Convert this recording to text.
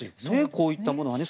こういったものはね。